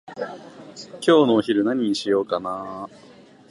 今日のお昼何にしようかなー？